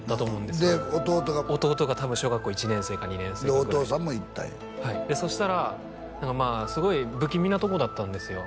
で弟が弟が多分小学校１年生か２年生ぐらいでお父さんも行ったんやはいそしたらすごい不気味なとこだったんですよ